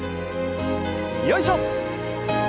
よいしょ！